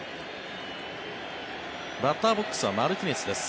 バッターボックスはマルティネスです。